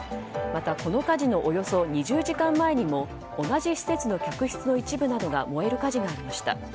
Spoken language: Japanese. また、この火事のおよそ２０時間前にも同じ施設の客室の一部などが燃える火事がありました。